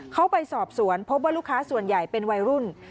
เขาไปสอบสวนพบว่าลูกค้าส่วนใหญ่เป็นวัยรุ่น